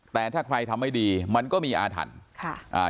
แต่ถ้าใครทำไม่ดีมันก็มีอาถรรพ์ค่ะอ่า